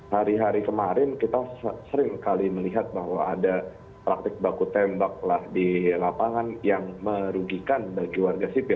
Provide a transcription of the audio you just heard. hari hari kemarin kita seringkali melihat bahwa ada praktik baku tembak lah di lapangan yang merugikan bagi warga sipil